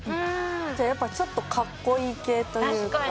じゃあやっぱちょっとかっこいい系というか。